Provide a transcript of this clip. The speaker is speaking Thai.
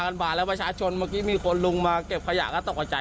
๐บาทแล้วประชาชนเมื่อกี้มีคนลุงมาเก็บขยะก็ตกกระใจ